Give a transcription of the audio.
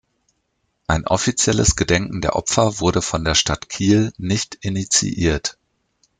Ein offizielles Gedenken der Opfer wurde von der Stadt Kiel nicht initiiert.